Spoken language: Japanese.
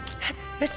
えっ？